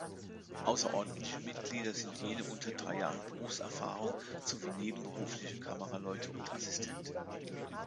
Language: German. Außerordentliche Mitglieder sind jene unter drei Jahren Berufserfahrung sowie nebenberufliche Kameraleute und -assistenten.